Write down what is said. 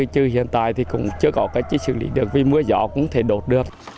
chứ hiện tại thì cũng chưa có cách xử lý được vì mưa gió cũng không thể đột được